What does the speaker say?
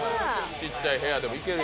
ちっちゃい部屋でもいける。